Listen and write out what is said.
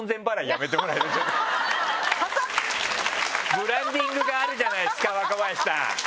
「ブランディングがあるじゃないですか若林さん」。